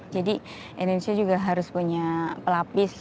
jadi indonesia juga harus punya pelapis